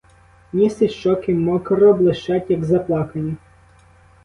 Ніс і щоки мокро блищать, як заплакані.